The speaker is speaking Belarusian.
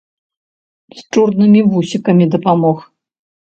З чорнымі вусікамі дапамог.